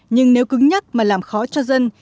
nhưng nếu cứng nhắc mà làm khó cho dân